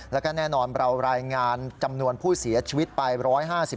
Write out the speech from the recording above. แล้วก็แน่นอนเรารายงานจำนวนผู้เสียชีวิตไป๑๕๐